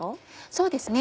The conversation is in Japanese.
そうですね